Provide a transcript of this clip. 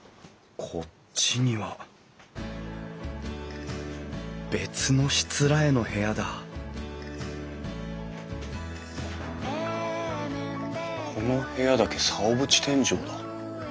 こっちには別のしつらえの部屋だこの部屋だけ竿縁天井だ。